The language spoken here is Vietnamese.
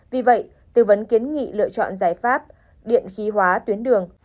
vì vậy tư vấn kiến nghị lựa chọn giải pháp điện khí hóa tuyến đường